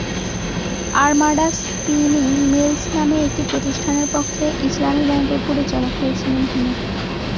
Armada spinning mills নামে একটি প্রতিষ্ঠানের পক্ষে ইসলামী ব্যাংকের পরিচালক হয়েছিলেন তিনি।